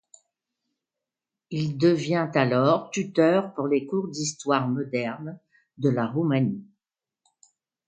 Il devient alors tuteur pour les cours d'histoire moderne de la Roumanie.